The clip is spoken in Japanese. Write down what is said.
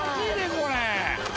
これ！